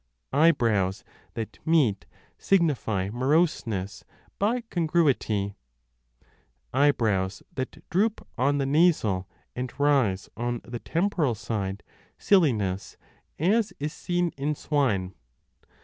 Eyebrows that meet signify moroseness, by congruity : eyebrows that droop on the nasal 3 and rise on the temporal side, silliness, as is seen in swine.